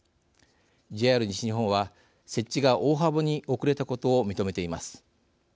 ＪＲ西日本は設置が大幅に遅れたことを認めています。